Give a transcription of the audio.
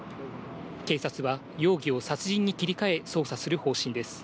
警察は容疑を殺人に切り替え捜査する方針です。